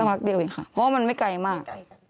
เท่าที่เดียวค่ะเพราะว่ามันไม่ไกลมาก